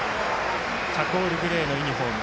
チャコールグレーのユニフォーム。